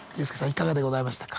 いかがでございましたか？